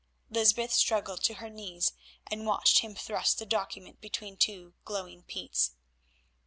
Lysbeth struggled to her knees and watched him thrust the document between two glowing peats.